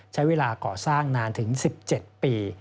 ใช้เวลาก่อสร้างนานถึง๑๗ปี